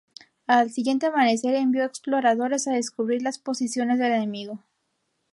Al siguiente amanecer envió exploradores a descubrir las posiciones del enemigo.